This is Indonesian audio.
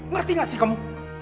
ngerti gak sih kamu